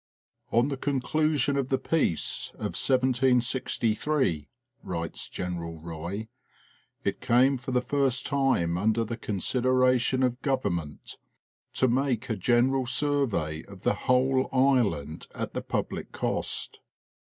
"On the conclusion of the peace of 1763," writes General Roy, "it came for the first time under the consideration of government to make a general survey of the whole island at the public cost."